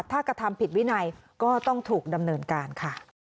ถ้ากระทำผิดวินัยก็ต้องถูกดำเนินการค่ะ